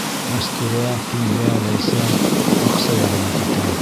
Мәстүрә, Кинйә, Ләйсән баҡса яғына китә.